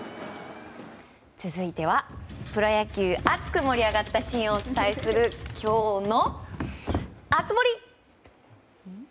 続いてはプロ野球熱く盛り上がったシーンをお伝えするきょうの熱盛！